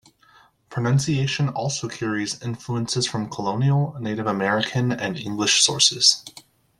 Pronunciation also carries influences from colonial, Native American, and English sources.